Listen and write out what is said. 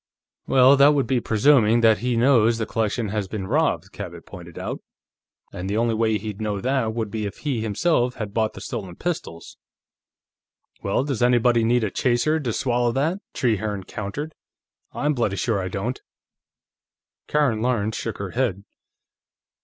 "Well, that would be presuming that he knows the collection has been robbed," Cabot pointed out. "And the only way he'd know that would be if he, himself, had bought the stolen pistols." "Well, does anybody need a chaser to swallow that?" Trehearne countered. "I'm bloody sure I don't." Karen Lawrence shook her head.